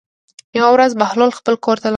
یوه ورځ بهلول خپل کور ته لاړ.